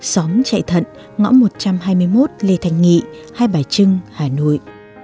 xóm chạy thận ngõ một trăm hai mươi một lê thành nghị hai bài trưng hà nội